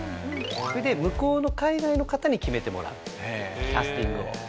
それで向こうの海外の方に決めてもらうキャスティングを。